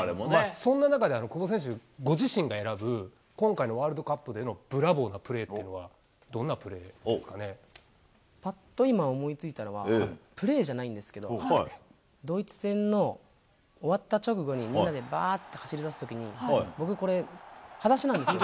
そんな中で、久保選手、ご自身が選ぶ、今回のワールドカップでのブラボーなプレーというぱっと今思いついたのは、プレーじゃないんですけど、ドイツ戦の終わった直後に、みんなでばーって走り出すときに、僕これ、はだしなんですよ。